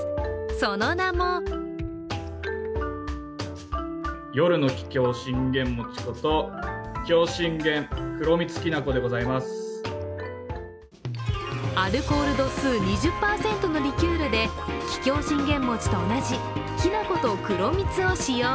その名もアルコール度数２０％のリキュールで桔梗信玄餅と同じきな粉と黒蜜を使用。